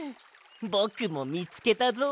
ぼくもみつけたぞ。